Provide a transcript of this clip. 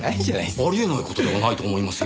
あり得ない事ではないと思いますよ？